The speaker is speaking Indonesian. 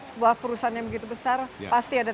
sebuah perusahaan yang begitu besar pasti ada